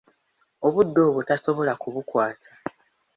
Obudde obwo tasobola kubukwata.